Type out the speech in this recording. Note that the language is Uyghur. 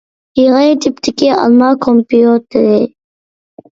يېڭى تىپتىكى ئالما كومپيۇتېر.